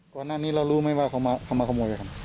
ก่อนหน้านี้เรารู้มั้ยว่าเขามาขโมยอะไร